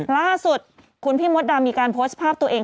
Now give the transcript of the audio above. ล่าสุดคุณพี่มดดำมีการโพสต์ภาพตัวเอง